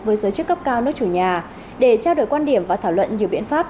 với giới chức cấp cao nước chủ nhà để trao đổi quan điểm và thảo luận nhiều biện pháp